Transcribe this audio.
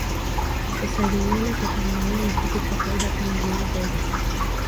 kusalimiana kwa kangaroo ni kitu cha kawaida kama ilivyo kwetu